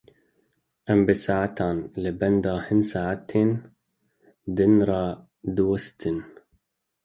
Em bi saetan li benda hin saetên din radiwestin.